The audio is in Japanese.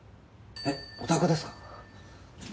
えお宅ですか？